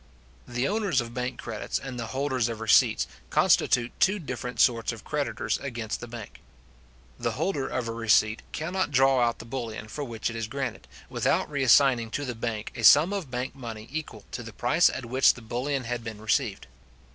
The owners of bank credits, and the holders of receipts, constitute two different sorts of creditors against the bank. The holder of a receipt cannot draw out the bullion for which it is granted, without re assigning to the bank a sum of bank money equal to the price at which the bullion had been received.